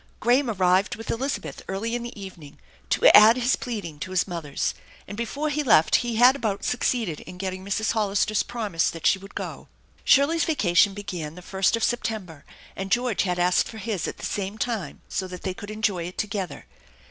Graham arrived with Elizabeth early in the evening to add his pleading to his mother's, and before he left he had about succeeded in getting Mrs. Hollister's promise that she would go. Shirley's vacation began the first of September, and George had asked for his at the same time so that they could enjoy it together.